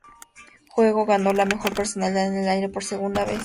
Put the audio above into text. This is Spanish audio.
John luego ganó la Mejor Personalidad en el Aire por segunda vez.